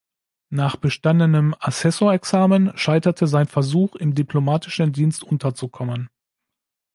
Nach bestandenem Assessorexamen scheiterte sein Versuch, im diplomatischen Dienst unterzukommen.